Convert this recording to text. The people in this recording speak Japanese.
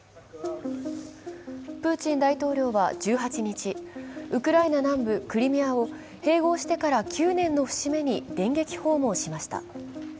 プーチン大統領は１８日、ウクライナ南部クリミアを併合してから９年の節目に電撃訪問しました。